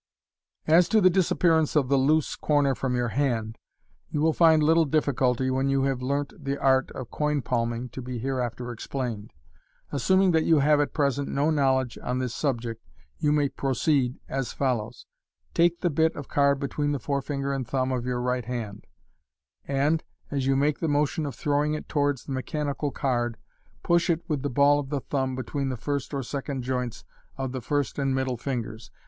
As to the disaoDearance of the loose corner from your hand, yoo will find little difficulty when you hay*1 learnt the art of coin palming to be hereafter explained. Assuming that you have at present no knowledge on this subject, you may proceed as follows :— Take the bit of card between the forefinger and thumb of your right nana, and ar you make the motion of throwing it towards the mechanical card, push it with the ball of the thumb between the first or second joints of the first and middle fingers.